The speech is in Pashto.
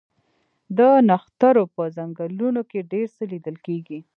د نښترو په ځنګلونو کې ډیر څه لیدل کیږي